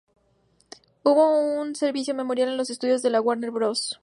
Hubo un servicio memorial en los estudios de la Warner Bros.